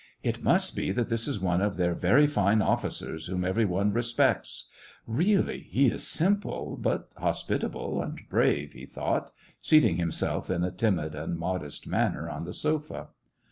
" It must be that this is one of their very fine officers, whom every one respects. Really, he is simple, but hospitable and brave," he thought, seating himself in a timid and modest manner on the sofa.